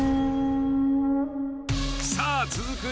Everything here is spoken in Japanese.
さあ続く